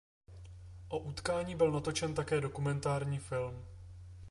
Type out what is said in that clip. O utkání byl natočen také dokumentární film.